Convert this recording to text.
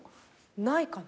ないかな。